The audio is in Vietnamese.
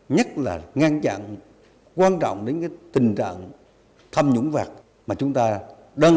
nhất là ngăn chặn quan trọng